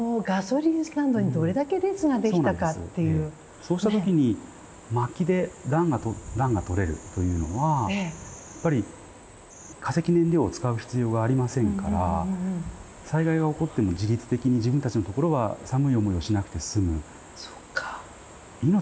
そうした時に薪で暖がとれるというのは化石燃料を使う必要がありませんから災害が起こっても自立的に自分たちの所は寒い思いをしなくて済む。